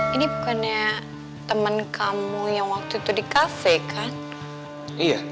ini bukannya teman kamu yang waktu itu di cafe kan